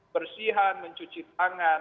bersihan mencuci tangan